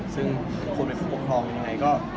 ซึ่งคนเป็นผู้ปกครองยังไงก็